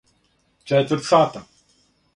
четврт сата